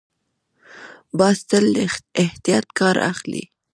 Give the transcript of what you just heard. باز تل له احتیاط کار اخلي